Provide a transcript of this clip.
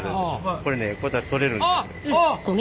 これねこうやったら取れる。